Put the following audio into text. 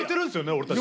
俺たち。